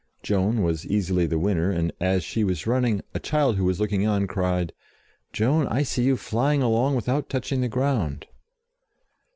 Joan was easily the winner, and, as she was running, a child who was looking on cried, "Joan, I see you flying along without touching the ground."